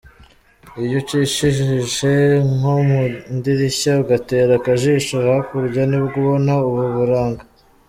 Iyo ucishijishe nko mu idirishya ugatera akajisho hakurya nibwo ubona ubu buranga.